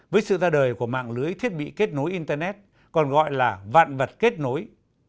với sự ra đời của mạng lưới thiết bị kết nối internet còn gọi là vạn vật kết nối